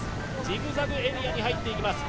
ジグザグエリアに入っていきます